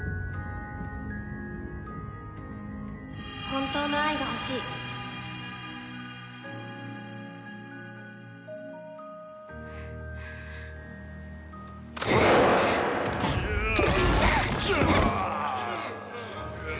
本当の愛が欲しいフッ！